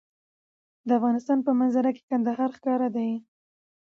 د افغانستان په منظره کې کندهار ښکاره دی.